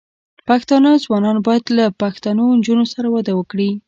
پښتانه ځوانان بايد له پښتنو نجونو سره واده وکړي.